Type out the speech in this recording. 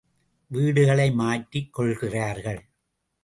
வீடுகளை மாற்றிக் கொள்கிறார்கள்.